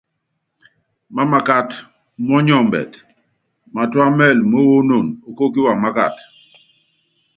Mámákat umɔnyɔmbɛt, matúá mɛɛl mówónon okóóki wamákat.